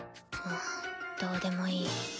んんどうでもいい。